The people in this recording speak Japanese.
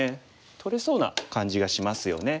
取れそうな感じがしますよね。